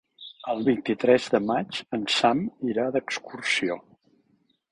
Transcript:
El vint-i-tres de maig en Sam irà d'excursió.